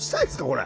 これ。